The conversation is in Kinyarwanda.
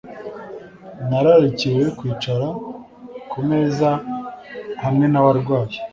nararikiwe kwicara ku meza hamwe nabarwayi